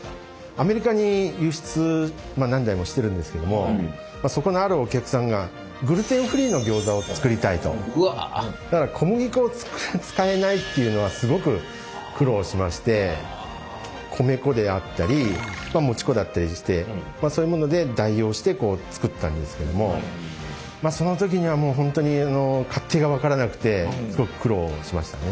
アメリカに輸出何台もしてるんですけどもそこのあるお客さんがだから小麦粉を使えないっていうのはすごく苦労しまして米粉であったりもち粉だったりしてそういうもので代用してこう作ったんですけどもその時にはもう本当に勝手が分からなくてすごく苦労しましたね。